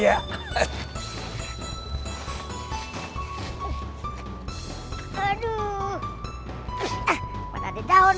dasar tumpuan akan kurang ajar